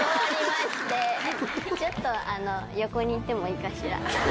ちょっと横に行ってもいいかしら。